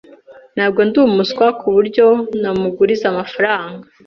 Ntabwo ndi umuswa kuburyo namuguriza amafaranga.